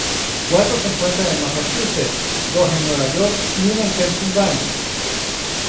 Cuatro se encuentran en Massachusetts, dos en Nueva York y una en Pensilvania.